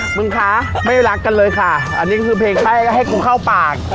มึงคะไม่รักกันเลยค่ะอันนี้คือเพลงไข้ก็ให้กูเข้าปาก